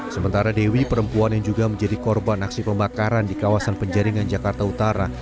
sementara dewi perempuan yang juga menjadi korban aksi pembakaran di kawasan penjaringan jakarta utara